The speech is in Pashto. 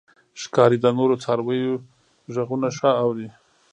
ښکاري د نورو څارویو غږونه ښه اوري.